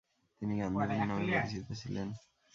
তিনি 'গান্ধীবুড়ি' নামে পরিচিত ছিলেন।